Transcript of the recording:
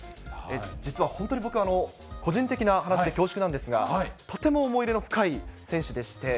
実は本当に僕、個人的な話で恐縮なんですが、とても思い入れの深い選手でして。